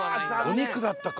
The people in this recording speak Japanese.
お肉だったか。